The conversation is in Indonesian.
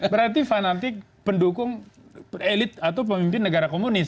berarti fanatik pendukung elit atau pemimpin negara komunis